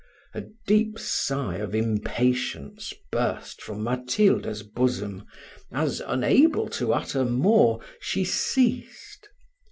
A deep sigh of impatience burst from Matilda's bosom, as, unable to utter more, she ceased.